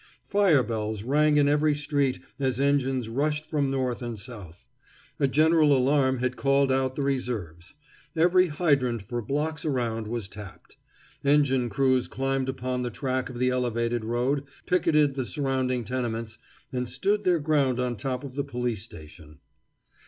Fire bells rang in every street as engines rushed from north and south. A general alarm had called out the reserves. Every hydrant for blocks around was tapped. Engine crews climbed upon the track of the elevated road, picketed the surrounding tenements, and stood their ground on top of the police station.